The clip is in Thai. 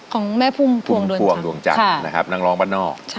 ของแม่ภูมิภวงดวงจักรนะครับนางร้องบ้านนอก